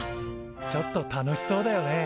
ちょっと楽しそうだよね。